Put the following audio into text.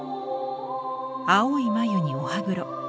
青い眉にお歯黒。